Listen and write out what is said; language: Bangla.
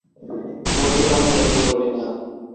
মোতির মা পীড়াপীড়ি করলে না।